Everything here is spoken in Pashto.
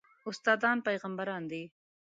استادان پېغمبران دي